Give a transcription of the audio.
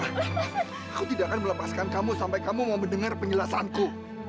aku tidak akan melepaskan kamu sampai kamu mau mendengar penjelasanku